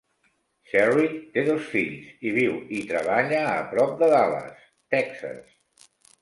Cherry té dos fills i viu i treballa a prop de Dallas, Texas.